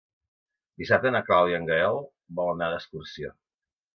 Dissabte na Clàudia i en Gaël volen anar d'excursió.